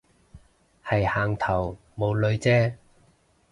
係行頭冇女啫